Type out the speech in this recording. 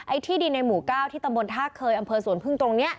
ที่ดินในหมู่๙ที่ตำบลท่าเคยอำเภอสวนพึ่งตรงนี้